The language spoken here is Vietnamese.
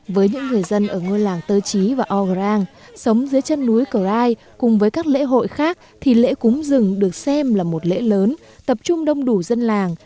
với những người dân ở ngôi làng tơ chí và ograng sống dưới chân núi cờ rai cùng với các lễ hội khác thì lễ cúng rừng được xem là một lễ lớn tập trung đông đủ dân làng